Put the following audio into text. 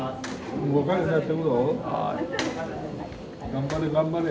頑張れ頑張れ！